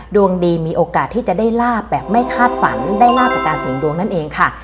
ดวงดีมีโอกาสที่จะได้ลาบแบบไม่คาดฝันได้ลาบจากการเสี่ยงดวงนั่นเองค่ะ